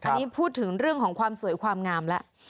อันนี้พูดถึงเรื่องของความสวยความงามแล้ว